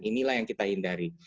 inilah yang kita hindari